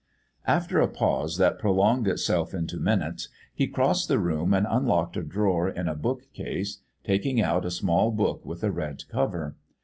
After a pause that prolonged itself into minutes, he crossed the room and unlocked a drawer in a bookcase, taking out a small book with a red cover.